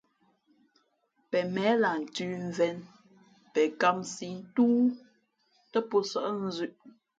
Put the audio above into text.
Pen měh lah ntʉ̌mvēn, pen kāmsī ntóó tά pō nsάʼ nzʉ̄ʼ.